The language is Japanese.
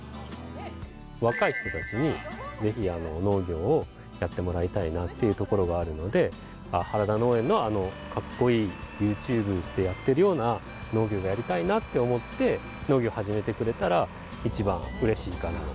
若い人たちにぜひ農業をやってもらいたいなっていうところがあるので原田農園のあのかっこいいＹｏｕＴｕｂｅでやってるような農業がやりたいなって思って農業を始めてくれたら一番嬉しいかなと。